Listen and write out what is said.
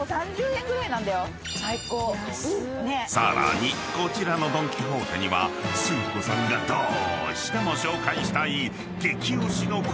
［さらにこちらのドン・キホーテにはスー子さんがどうしても紹介したい］